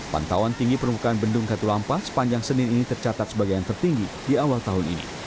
pantauan tinggi permukaan bendung katulampa sepanjang senin ini tercatat sebagai yang tertinggi di awal tahun ini